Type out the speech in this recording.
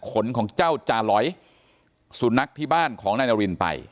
ขนของเจ้าจาหลอยสุนัขที่บ้านของนายนารินไป